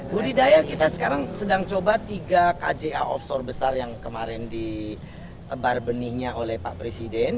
budidaya kita sekarang sedang coba tiga kja offshore besar yang kemarin ditebar benihnya oleh pak presiden